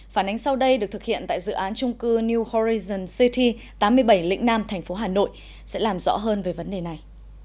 phản ánh sau đây được thực hiện tại dự án chung cư new horizon city tám mươi bảy lĩnh nam thành phố hà nội sẽ làm rõ hơn về vấn đề này